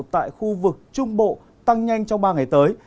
tại khu vực trung bộ tăng nhanh trong ba ngày tới